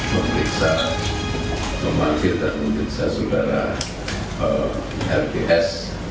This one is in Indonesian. pemeriksa memakirkan pemeriksaan saudara rts